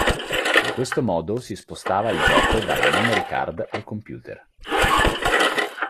In questo modo si spostava il gioco dalla memory card al computer.